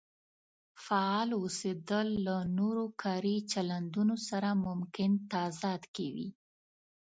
فعال اوسېدل له نورو کاري چلندونو سره ممکن تضاد کې وي.